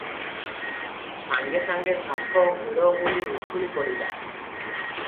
ସଙ୍ଗେ ସଙ୍ଗେ ଶଙ୍ଖ ହୁଳହୁଳି ଉଛୁଳି ପଡ଼ିଲା ।